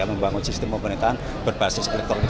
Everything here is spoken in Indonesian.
membangun sistem pemerintahan berbasis elektronik